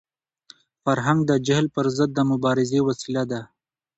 فرهنګ د جهل پر ضد د مبارزې وسیله ده.